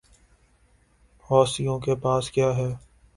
حوثیوں کے پاس کیا ہے؟